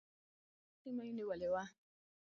پراخه سیمه یې نیولې وه.